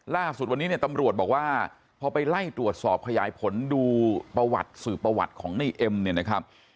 ล่าสุดวันนี้เนี่ยตำรวจบอกว่าพอไปไล่ตรวจสอบขยายผลดูประวัติสืบประวัติของในเอ็มเนี่ยนะครับ